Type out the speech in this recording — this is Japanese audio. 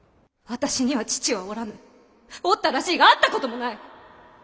私には父はおらぬおったらしいが会ったこともない！